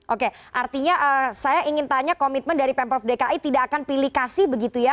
oke artinya saya ingin tanya komitmen dari pemprov dki tidak akan pilih kasih begitu ya